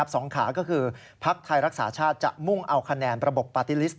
สองขาก็คือภักดิ์ไทยรักษาชาติจะมุ่งเอาคะแนนระบบปาร์ตี้ลิสต